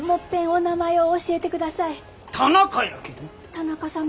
田中様。